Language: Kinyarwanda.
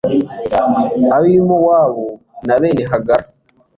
ab'i mowabu, na bene hagara